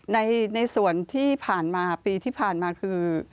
ในส่วนที่ผ่านมาปีที่ผ่านมาคือ